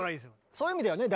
そういう意味ではね